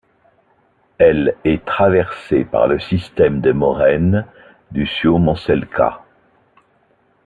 Elle est traversée par le système de moraines du Suomenselkä.